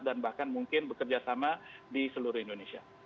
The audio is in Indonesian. dan bahkan mungkin bekerja sama di seluruh indonesia